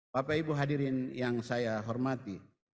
bapak ibu hadirin yang saya hormati